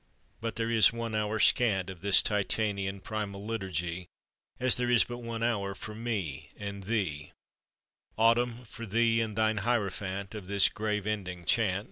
But there is one hour scant Of this Titanian, primal liturgy, As there is but one hour for me and thee, Autumn, for thee and thine hierophant, Of this grave ending chant.